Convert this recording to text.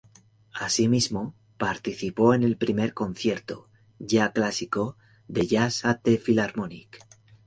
Asimismo, participó en el primer concierto, ya clásico, de Jazz at the Philharmonic.